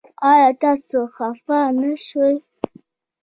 ایا تاسو خفه نه شوئ؟